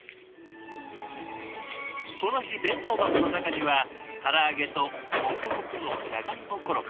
この日弁当箱の中にはから揚げとホクホクのじゃがいもコロッケ。